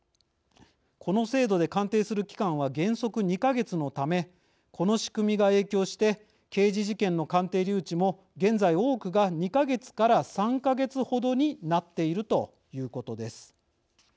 この制度で鑑定する期間は原則２か月のためこの仕組みが影響して刑事事件の鑑定留置も、現在多くが２か月から３か月程になっているということです。